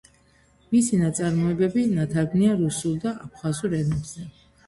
მისი ნაწარმოებები ნათარგმნია რუსულ და აფხაზურ ენებზე.